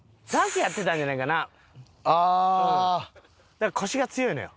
だから腰が強いのよ。